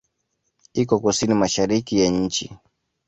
Iko kusini-mashariki ya nchi.